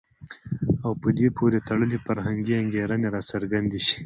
او په دې پورې تړلي فرهنګي انګېرنې راڅرګندې شي.